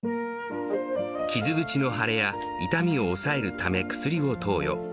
傷口の腫れや痛みを抑えるため薬を投与。